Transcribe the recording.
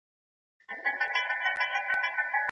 سابه او مېوې د بدن دفاعي سیسټم د ناروغیو په وړاندې پیاوړی کوي.